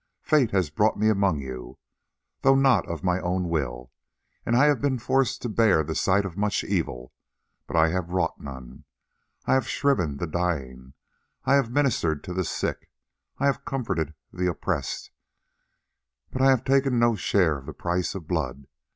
Fate has brought me among you, though not of my own will, and I have been forced to bear the sight of much evil, but I have wrought none. I have shriven the dying, I have ministered to the sick, I have comforted the oppressed, but I have taken no share of the price of blood.